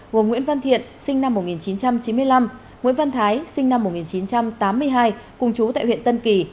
gồm nguyễn văn thiện sinh năm một nghìn chín trăm chín mươi năm nguyễn văn thái sinh năm một nghìn chín trăm tám mươi hai cùng chú tại huyện tân kỳ